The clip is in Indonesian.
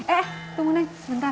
eh tunggu neng sebentar